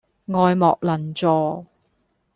愛莫能助